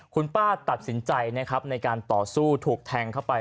คุณป้าตัดสินใจนะครับในการต่อสู้ถูกแทงเข้าไป